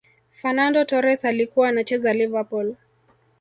fernando torres alikuwa anacheza liverpool